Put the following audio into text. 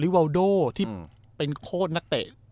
วาวโดที่เป็นโคตรนักเตะ